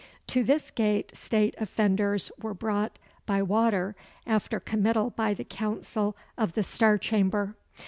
To this gate state offenders were brought by water after committal by the Council of the Star Chamber.